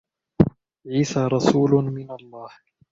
عيسى رسول من الله.